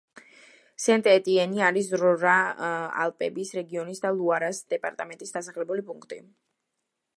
სენტ-ეტიენი არის რონა-ალპების რეგიონის და ლუარას დეპარტამენტის დასახლებული პუნქტი.